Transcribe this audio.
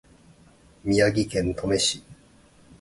宮城県登米市